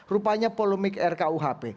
rupanya polemik rkuhp